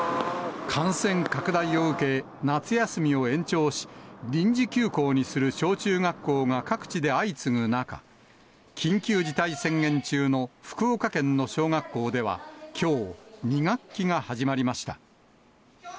感染拡大を受け、夏休みを延長し、臨時休校にする小中学校が各地で相次ぐ中、緊急事態宣言中の福岡県の小学校では、きょう、２学期が始まりました。